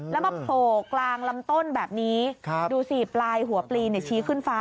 แล้วมาโผล่กลางลำต้นแบบนี้ดูสิปลายหัวปลีชี้ขึ้นฟ้า